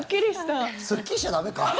すっきりしちゃ駄目か。